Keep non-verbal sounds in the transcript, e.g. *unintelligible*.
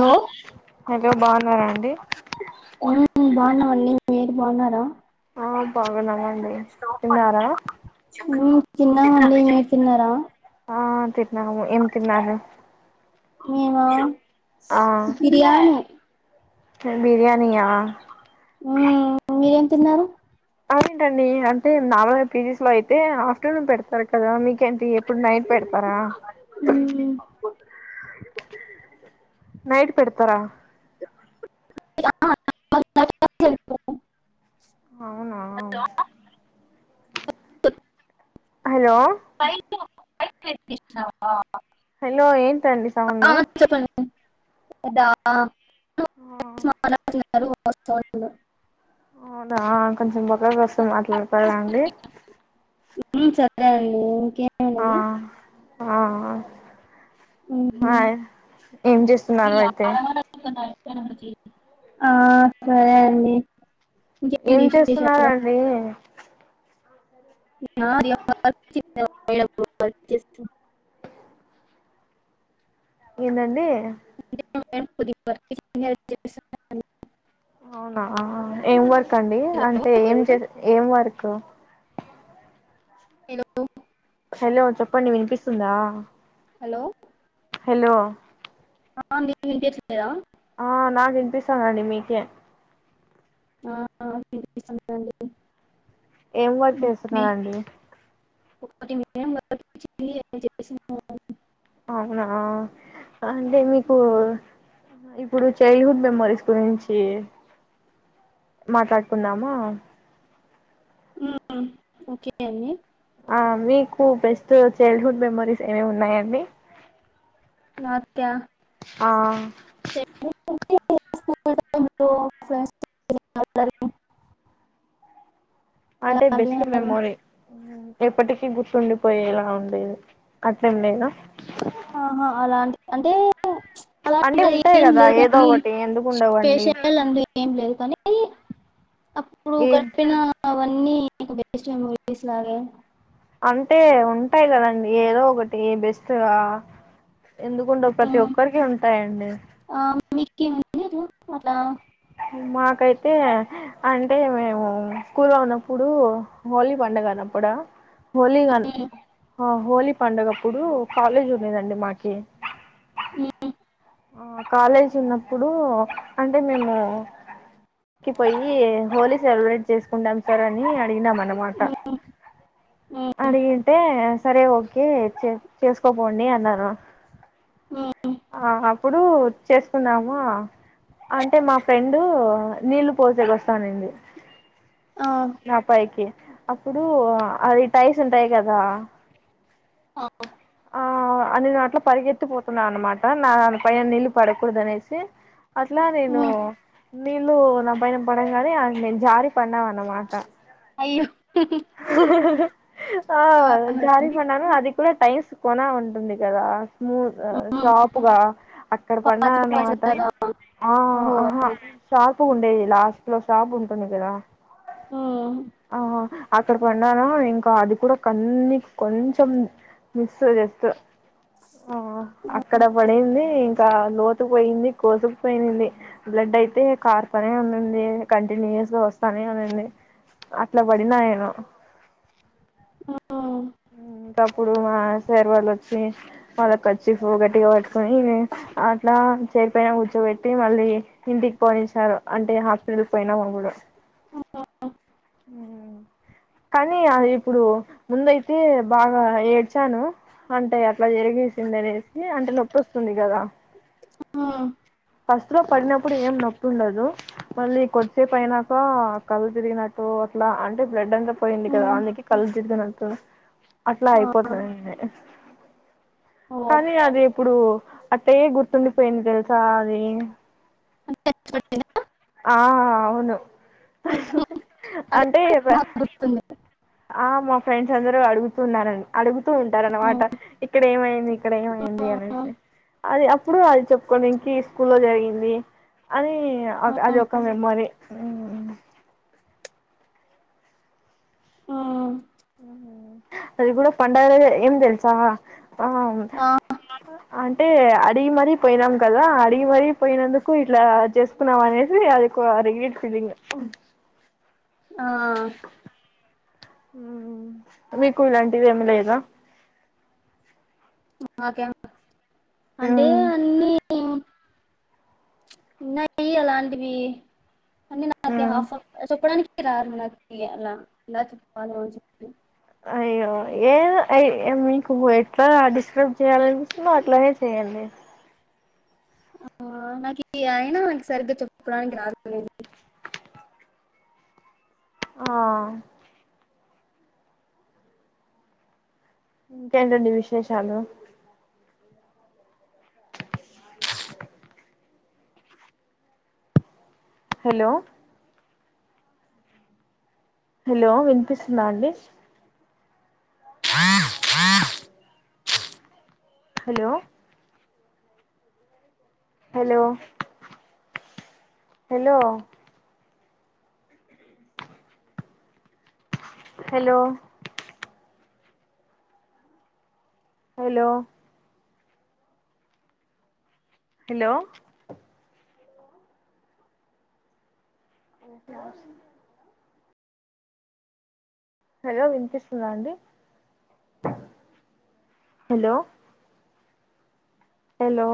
లో హలో బాగున్నారా అండి ఉమ్ బావున్నా అండి మీరు బావున్నారా ఆ బాగున్నామండి తిన్నారా ఉమ్ తిన్నామండి మీరు తిన్నారా ఆ తిన్నాము ఏం తిన్నారు మేమా బిర్యాని బిర్యాని ఆ ఉమ్ మీరేం తిన్నారు *inaudible* టండి అంటే నామల్గ పీ జీ స్ లో అయి తే ఆఫ్టర్నూన్ పెడతారు కదా మీకేంటి ఇప్పుడు నైట్ పెడతారా మ్మ్ నైట్ పెడతరా అవునా హలో *inaudible* హలో ఏంటండి సౌండు అదా ఆ అసలు వాయిస్ రాట్ల అవునా కొంచెం బక్కకొస్తే మాట్లాడతార అండి ఉమ్ సరే అండి ఆ ఇంకేమండి ఆ ఆ మా మ్మ్ ఏం చేస్తున్నావ్ అయితే ఆ సరే అండి ఏం ఇంకేంటి విశేషాలు చేస్తున్నారండి స్త ఏందండి *inaudible* అవునా ఏం వర్ కండి హలో అంటే ఏం చేస్ ఏం వర్కు హలో హలో చెప్పండి వినిపిస్తుందా హలో హలో ఆ మికి వినిపిస్తూ హలో వినిపిస్తాందండి మీకే ఆ వినిపిస్తాంది కదండీ ఏం వర్క్ చేస్తున్నారండి *inaudible* అవునా అంటే మీకు ఇప్పుడు చైల్డ్హుడ్ మెమోరీస్ గురించి మాట్లాడుకున్నామా ఉమ్ ఓకే అండి ఆ మీకు బెస్ట్ చైల్డ్హుడ్ మెమోరీస్ ఏమేం ఉన్నాయండి నా త్యా- ఆ *inaudible* అంటే అలాంటివి బెస్ట్ అని మెమోరీ ఊ ఎప్పటికీ గుర్తుండిపోయేలా ఉండేది కట్ ఏం లేనా ఆహా అలాంటి అంటే అంటే అలాంటే ఉంటాయి ఏం కదా లేదు ఏదో కానీ ఒకటి ఎందుకు ఉండవండి స్పేషల్ అంట ఏం లేదు కానీ అయి అప్పుడు ఈ గడిపిన అవన్నీ నీకు బెస్ట్ మెమోరీస్ లాగే అంటే ఉంటాయి కదండి ఏదో ఒకటి బెస్ట్గా ఎందుకుండవ్ ప్రతి ఒక్కరికి ఉంటాయండి. మీకి ఉండదు అలా మాకైతే అంటే మేము స్కూల్ లో ఉన్నప్పుడు హోలీ పండగ అన్నప్పుడా హోలీగాన్ ఆ హోలీ పండగప్పుడు కాలేజ్ ఉండదండి మాకి ఈ ఆ కాలేజ్ ఉన్నప్పుడు అంటే మేము కి పోయి హోలీ సెలబ్రేట్ చేసుకుంటాం సార్ అని అడిగినం అన్నమాట. ఉమ్, ఉమ్, ఉమ్, అడిగింటే సరే ఓకే చేసుకోపోండి అన్నారు. ఉమ్, ఆహ ఇప్పుడు చేసుకున్నాము అంటే మా ఫ్రెండ్ నీళ్లు పోసేకి వస్తాననింది. ఆ, నా పైకి అప్పుడు అది టైస్ ఉంటాయి కదా. ఆ, ఆ నేను అట్ల పరిగెత్తిపోతున్నా అనమాట నాపైన నీళ్ళు పడకూడదు అనేసి అట్లా నేను ఉమ్, నీళ్లు నా పైన పడగానే నేను జారీపన్నాం అన్నమాట. త అయ్యో అహ్హ్హ్ ఆ జారి పన్నాను అది కూడా టైమ్స్ కొన ఉంటుంది కదా. ము గా ఉమ్, షాపుగా అక్కడ పాచి పాచి పన్నానాన్నమాట కదా ఆ ఓహో అహ ఉమ్, షాపు ఉండేది. లాస్ట్ లో షాప్ ఉంటుంది కదా. ఉమ్, ఆహ అక్కడ పన్నాన ఇంకా అది కూడా కన్ని కొంచెం మిస్ జస్ట్ ఆహ అక్కడ పడింది. క లోతుకు పోయింది, కోసుకు పోయింది, బ్లడ్ అయితే కార్తనే ఉన్నింది. కంటిన్యూస్ గా వస్తానే ఉన్నింది. అట్లా పడిన ఎం అ ఊ అప్పుడు మా సర్ వాళ్ళు వచ్చి మళ్ళీ కర్చీపు గట్టిగా పట్టుకుని అట్లా చైర్ పైన కూర్చోబెట్టి మళ్ళీ ఇంటికి పోనించారు. అంటే హాస్పిటల్కి పోయినాము అప్పుడు ఉహు ఉ కానీ అ ఇప్పుడు ముందయి తే బాగా ఏడ్చాను అంటే అట్లా జరిగేసింది అనేసి అంటే నొప్పి వస్తుంది. కదా ఉమ్, ఫస్ట్ లో పడినప్పుడు ఏం నొప్పు ఉండదు మళ్ళీ కొద్దిసేపు అయినాక కళ్ళు తిరిగినట్టు అట్లా అంటే బ్లడ్ అంత పోయింది కద ఉమ్, అందుకే కళ్లు తిరిగినట్టు అ అట్లా ఆ, అయిపోతది అంతే ఓ అదే అదిే ఇప్పుడు అట్టయే గుర్తుండిపోయింది తెలుసా అది చెప్పిన ఆ అవును అదే అంటే బాగా గుర్తుంది ఆ ఫ్రెండ్స్ అందరు అడుగుతూ ఉన్నార అడుగుతూ ఉంటారు అనమాట ఉమ్, ఇక్కడ ఏమైంది ఇక్కడ ఏమైంది ఉమ్, అనేసి అది అప్పుడు అది చెప్పుకోని ఇంక స్కూల్ లో జరిగింది అని అది ఉమ్, ఒక మెమొరీ ఉ ఉ అది కూడా పండగ ఏం తెల్సా ఆ ఆ, అంటే అడిగి మరీ పోయినాం కదా అడిగి మరీపోయినందుకు ఇట్లా చేసుకున్నాం అనేసి అది రిగేట్ ఫీలింగ్ ఆ మీకు ఇలాంటివి ఏమి లేదా ఆకే అంటే ఉమ్ అన్నీ నయి అలాంటివి అ నాక ఉమ్ హఫ్ చొప్పుడానికి ఆరు మలా ఎ పాాల అయ్యో ఏ అయ మీకు ఎట్లా డిస్క్రైబ్ చేయాలనిపిస్తున్నా అట్లానే చే్యడి ఆ నాకు అయినా నాకు సరిగ్గా చెప్పుడానికి రాదు ఆ ఇంకేంటండి విశేషాలు హలో హలో వినిపిస్తుందా అండి *unintelligible* hello hello hello hello hello hello ఓక హలో వినిపిస్తుందా అండి హలో హలో